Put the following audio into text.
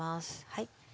はい。